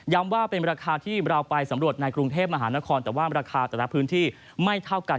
ว่าเป็นราคาที่เราไปสำรวจในกรุงเทพมหานครแต่ว่าราคาแต่ละพื้นที่ไม่เท่ากัน